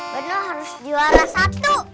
bandung harus juara satu